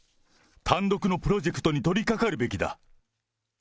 単独のプロジェクトに取りかかるべきだ。